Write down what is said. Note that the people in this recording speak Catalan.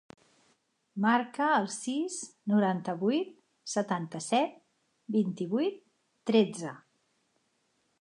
Marca el sis, noranta-vuit, setanta-set, vint-i-vuit, tretze.